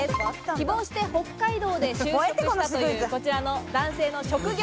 希望して北海道で就職したという、こちらの男性の職業。